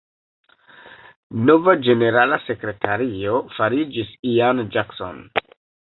Nova ĝenerala sekretario fariĝis Ian Jackson.